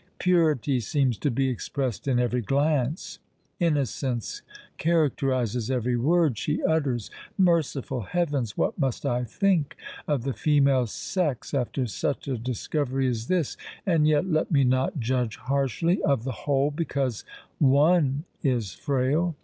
Purity seems to be expressed in every glance:—innocence characterises every word she utters! Merciful heavens! what must I think of the female sex after such a discovery as this? And yet, let me not judge harshly of the whole, because one is frail.